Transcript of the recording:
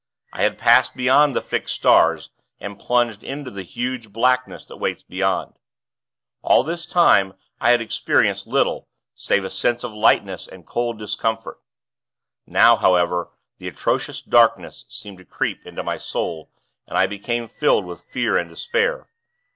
I had passed beyond the fixed stars and plunged into the huge blackness that waits beyond. All this time I had experienced little, save a sense of lightness and cold discomfort. Now however the atrocious darkness seemed to creep into my soul, and I became filled with fear and despair.